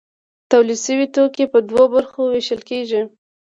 تولید شوي توکي په دوو برخو ویشل کیږي.